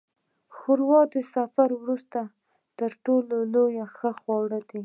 ښوروا د سفر وروسته تر ټولو ښه خواړه ده.